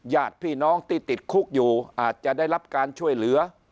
ญาติพี่น้องที่ติดคุกอยู่อาจจะได้รับการช่วยเหลือ